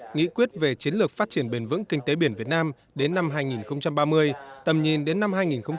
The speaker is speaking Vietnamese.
nghị quyết về chiến lược phát triển bền vững kinh tế biển việt nam đến năm hai nghìn ba mươi tầm nhìn đến năm hai nghìn bốn mươi năm